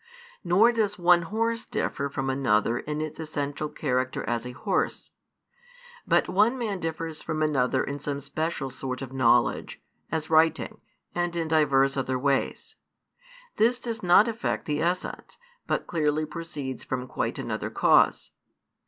Nor does one horse differ from another in its essential character as a horse; but one man differs from another in some special sort of knowledge, as writing, and in divers other ways. This does not affect the essence, but clearly proceeds from quite another cause.